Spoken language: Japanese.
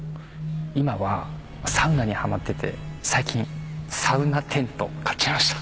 今はサウナにハマってて最近サウナテント買っちゃいました